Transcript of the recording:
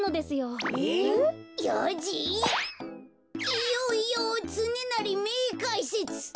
いよいよつねなりめいかいせつ！